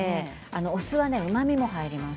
お酢はうまみも入ります。